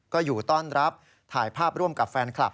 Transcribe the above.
ก็อยู่ต้อนรับถ่ายภาพร่วมกับแฟนคลับ